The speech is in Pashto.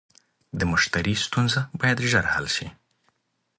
د مشتری ستونزه باید ژر حل شي.